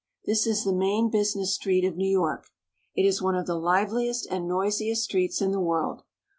This is the main business street of New York. It is one of the hveUest and noisiest streets in the world.